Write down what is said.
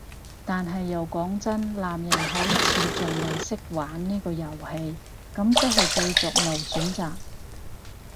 但係又講真，藍營好似仲未識玩呢場遊戲，咁即係繼續無選擇